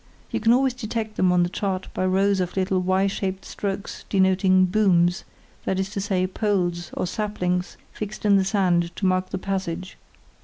You can always detect them on the chart by rows of little Y shaped strokes denoting "booms", that is to say, poles or saplings fixed in the sand to mark the passage.